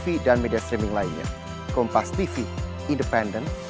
ini sekarang umur berarti